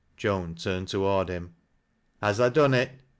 Joan turned toward him. "Has tha done it